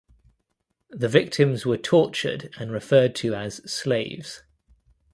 The victims were tortured and referred to as "slaves".